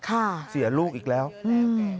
เสียลูกอีกแล้วอืม